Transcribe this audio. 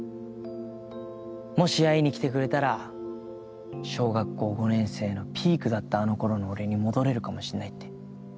もし会いに来てくれたら小学校５年生のピークだったあの頃の俺に戻れるかもしんないって。